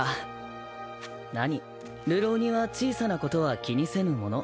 何流浪人は小さなことは気にせぬもの。